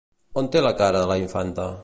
On té la cara la infanta?